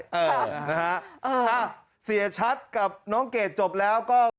เออนะฮะเสียชัดกับน้องเกดจบแล้วก็